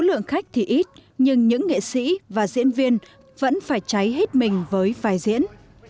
lượng khách thì ít nhưng những nghệ sĩ và diễn viên vẫn phải cháy hết mình với vài diễn